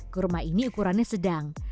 kurma ini ukurannya sedang